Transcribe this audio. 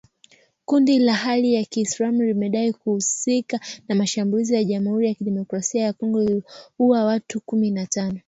Kundi la hali ya kiislamu limedai kuhusika na shambulizi la jamuhuri ya kidemokrasia ya Kongo lililouwa watu kumi na tano